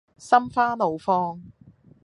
心花怒放